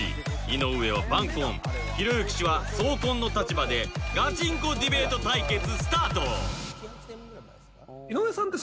井上は晩婚ひろゆき氏は早婚の立場でガチンコディベート対決スタート！